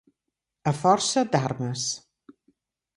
A força d'armes.